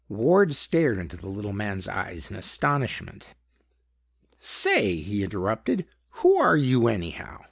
Ward stared into the little man's eyes in astonishment. "Say," he interrupted, "who are you, anyhow?"